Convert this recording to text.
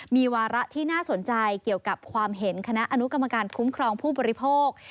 มีวาระที่น่าสนใจเกี่ยวกับความเห็นคณะอนุกรรมการคุ้มครองผู้บริโภค